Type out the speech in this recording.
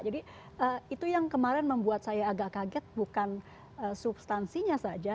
jadi itu yang kemarin membuat saya agak kaget bukan substansinya saja